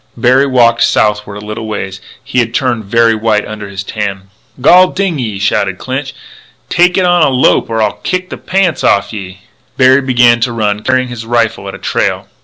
Berry walked southward a little way. He had turned very white under his tan. "Gol ding ye!" shouted Clinch, "take it on a lope or I'll kick the pants off'n ye!" Berry began to run, carrying his rifle at a trail.